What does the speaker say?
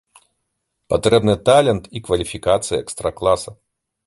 Патрэбны талент і кваліфікацыя экстра-класа.